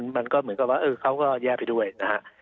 มันก็เหมือนกับว่าเขาก็แย่ไปด้วยนะฮะ